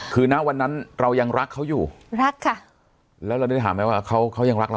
คือณวันนั้นเรายังรักเขาอยู่รักค่ะแล้วเราได้ถามไหมว่าเขาเขายังรักเรา